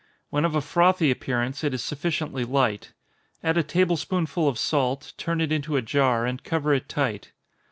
When of a frothy appearance, it is sufficiently light. Add a table spoonful of salt, turn it into a jar, and cover it tight.